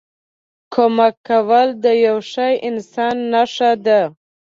کمک کول د یوه ښه انسان نښه ده.